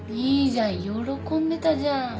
いいじゃん喜んでたじゃん。